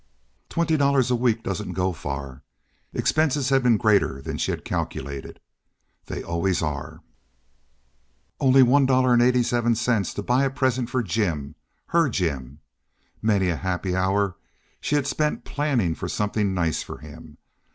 Twenty dollars a week doesn't go far. Expenses had been greater than she had calculated. They always are. Only $1.87 to buy a present for Jim. Her Jim. Many a happy hour she had spent planning for something nice for him.